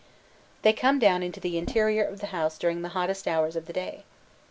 They come down into the interior of the house during the hottest hours of the day.